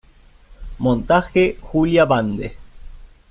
Montaje: Julia Bande.